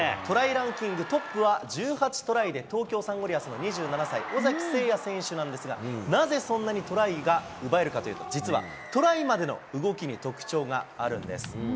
ランキングトップは１８トライで東京サンゴリアスの２７歳、尾崎晟也選手なんですが、なぜそんなにトライが奪えるかというと、実はトライまでの動きに特徴があるんです。